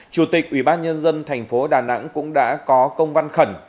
chủ tịch ubnd thành phố đà nẵng cũng đã có công văn khẩn